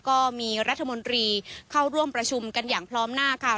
ก็มีรัฐมนตรีเข้าร่วมประชุมกันอย่างพร้อมหน้าค่ะ